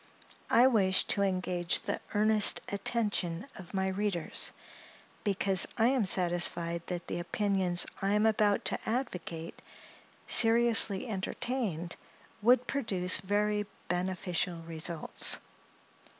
I wish to engage the earnest attention of my readers; because I am satisfied that the opinions I am about to advocate, seriously entertained, would produce very beneficial results.